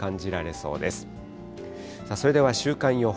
それでは週間予報。